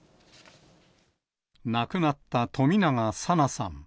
亡くなった冨永紗菜さん。